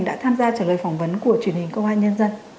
đã tham gia trả lời phỏng vấn của truyền hình công an nhân dân